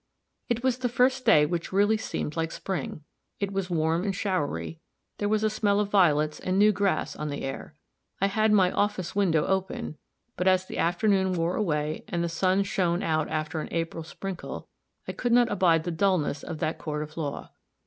It was the first day which had really seemed like spring. It was warm and showery; there was a smell of violets and new grass on the air. I had my office window open, but as the afternoon wore away, and the sun shone out after an April sprinkle, I could not abide the dullness of that court of law.